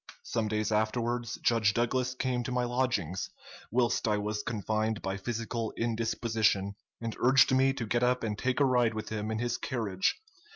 Some days afterwards Judge Douglas came to my lodgings, whilst I was confined by physical indisposition, and urged me to get up and take a ride with him in his carriage.